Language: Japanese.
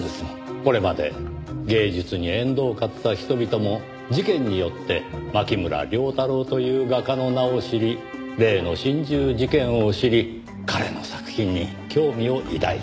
これまで芸術に縁遠かった人々も事件によって牧村遼太郎という画家の名を知り例の心中事件を知り彼の作品に興味を抱いた。